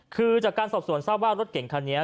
คือจากการสอบสวนทราบว่ารถเก่งคันนี้